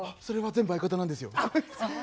それは全部相方なんですよ。